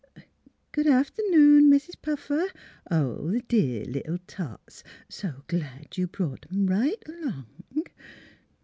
... Good afternoon, Mis' Puffer. ... Oh, th' dear little tots! So glad you brought 'em right along.